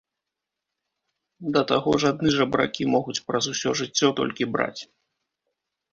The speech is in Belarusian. Да таго ж адны жабракі могуць праз усё жыццё толькі браць.